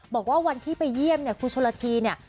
บอกว่าวันที่ไปเยี่ยมครูโชลาธีเนี่ย